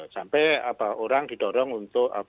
sampai orang didorong untuk